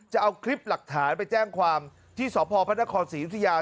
จะเอาคลิปหลักฐานไปแจ้งความที่สพศรีอุทยา